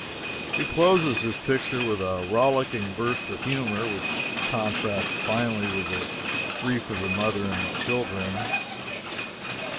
He closes his picture with a rollicking burst of humor which contrasts finely with the grief of the mother and her children.